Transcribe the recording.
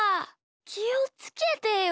きをつけてよ。